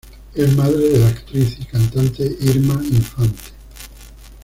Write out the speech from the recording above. Es madre de la actriz y cantante Irma Infante.